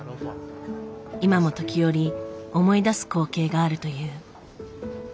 今も時折思い出す光景があるという。